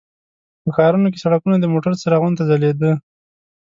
په ښارونو کې سړکونه د موټرو څراغونو ته ځلیده.